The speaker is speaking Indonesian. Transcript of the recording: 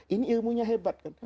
ini ilmunya hebat kan